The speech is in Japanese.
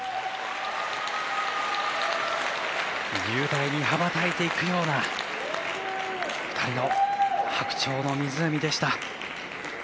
雄大に羽ばたいていくような２人の「白鳥の湖」でした。